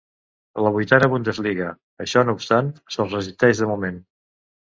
La vuitena Bundesliga, això no obstant, se'ls resisteix de moment.